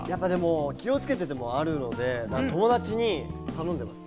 気をつけててもあるので、友達に頼んでます。